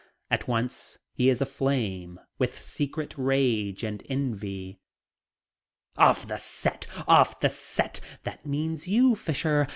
At once he is aflame with secret rage and envy. "Off the set! Off the set! That means you, Fisher.